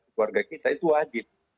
keluarga kita itu wajib